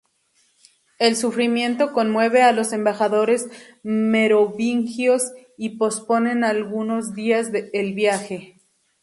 El sufrimiento conmueve a los embajadores merovingios y posponen algunos días el viaje.